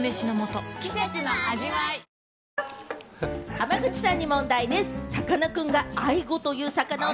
浜口さんに問題です。